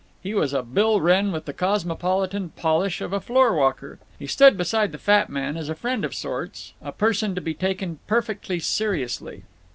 He was a Bill Wrenn with the cosmopolitan polish of a floor walker. He stood beside the fat man as a friend of sorts, a person to be taken perfectly seriously.